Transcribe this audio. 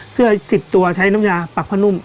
เสื้อ๑๐ตัวใช้น้ำยาปักผ้านุ่ม